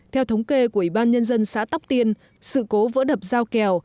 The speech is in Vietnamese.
theo thống kê của ủy ban nhân dân xã tóc tiên sự cố vỡ đập dao kèo